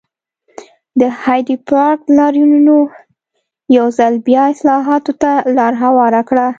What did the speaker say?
د هایډپارک لاریونونو یو ځل بیا اصلاحاتو ته لار هواره کړه.